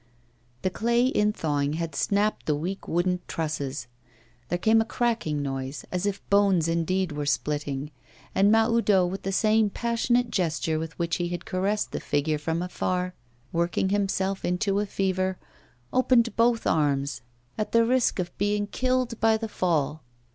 The clay, in thawing, had snapped the weak wooden trusses. There came a cracking noise, as if bones indeed were splitting; and Mahoudeau, with the same passionate gesture with which he had caressed the figure from afar, working himself into a fever, opened both arms, at the risk of being killed by the fall.